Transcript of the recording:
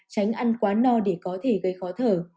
tránh ăn quá no để có thể gây khó thở